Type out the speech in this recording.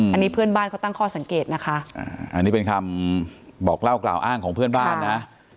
อันนี้เพื่อนบ้านเขาตั้งข้อสังเกตนะคะอันนี้เป็นคำบอกเล่ากล่าวอ้างของเพื่อนบ้านนะ